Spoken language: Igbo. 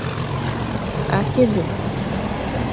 akịdị